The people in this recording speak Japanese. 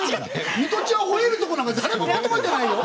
ミトちゃんほえるとこなんか誰も求めてないよ。